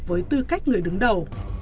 với tư cách người đứng đầu